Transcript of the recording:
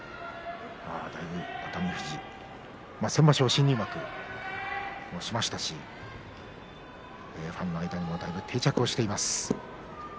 熱海富士、先場所新入幕をしましたしファンの間にもだいぶ定着しています。